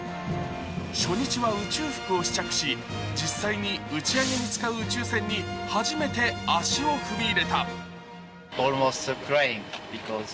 初日は宇宙服を試着し、実際に打ち上げに使う宇宙船に初めて足を踏み入れた。